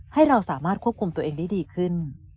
ให้เราสามารถควบคุมตัวเองได้ดีขึ้น